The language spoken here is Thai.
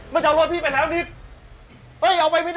มันจะเอารถพี่ไปแล้วนิด